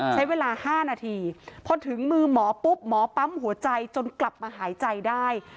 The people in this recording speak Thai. ใช้เวลา๕นาทีพอถึงมือหมอปุ๊บหมอปั๊มหัวใจจนกลับมาหายใจได้